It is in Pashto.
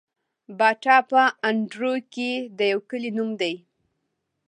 باټا په اندړو کي د يو کلي نوم دی